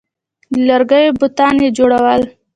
د لرګیو بتان یې جوړول